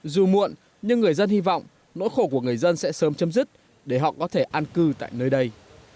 dù muộn nhưng người dân hy vọng nỗi khổ của người dân sẽ sớm chấm dứt để họ có thể an cư tại nơi đây